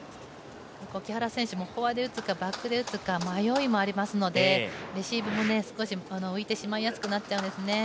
木原選手もフォアで打つかバックで打つか迷いもありますのでレシーブも少し浮いてしまいやすくなってしまうんですね。